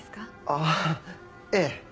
あぁええ。